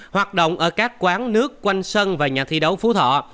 hoạt động ở các quán nước quanh sân và nhà thi đấu phú thọ